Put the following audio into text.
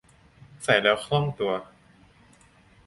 ใส่แล้วคล่องตัว